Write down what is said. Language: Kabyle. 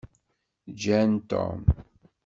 Ǧǧan Tom.